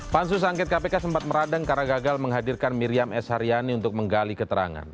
pansus angket kpk sempat meradang karena gagal menghadirkan miriam s haryani untuk menggali keterangan